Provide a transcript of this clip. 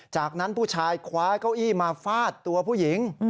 จากนั้นผู้ชายคว้าเก้าอี้มาฟาดตัวผู้หญิง